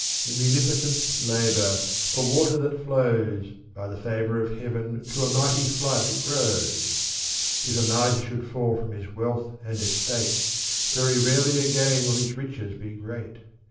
In munificence labor ! for water that flows. By the favor of Heaven to a mighty flood grows ! If a miser should fall from his wealth and estate, Very rarely again will his riches be great.